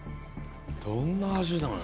どんな味なんや？